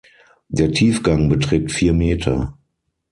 Der Tiefgang beträgt vier Meter.